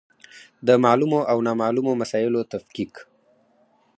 د معلومو او نامعلومو مسایلو تفکیک.